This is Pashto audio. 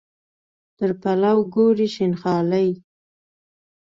تر پلو ګوري شین خالۍ.